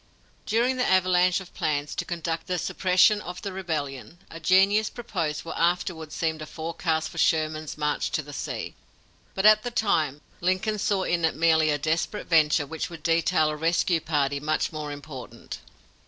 During the avalanche of plans to conduct the suppression of the rebellion, a genius proposed what afterward seemed a forecast for Sherman's march to the sea. But at the time, Lincoln saw in it merely a desperate venture which would detail a rescue party much more important.